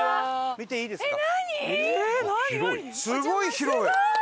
見ていいですか？